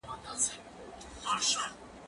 زه به اوږده موده د لوبو لپاره وخت نيولی وم،